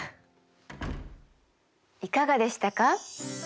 いかがでしたか？